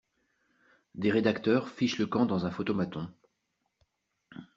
Des rédacteurs fichent le camp dans un photomaton.